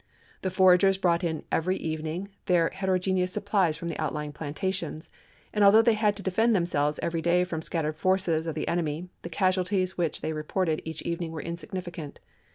The foragers brought in every evening their heterogeneous supplies from the outlying plantations, and although they had to defend themselves every day from scattered forces of the enemy, the casualties which they reported each evening were insignificant.